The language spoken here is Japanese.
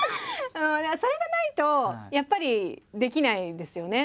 それがないとやっぱりできないですよね。